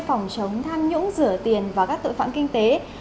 phòng chống tham nhũng rửa tiền và các tội phạm kinh tế